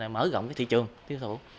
mở rộng thị trường tiêu thụ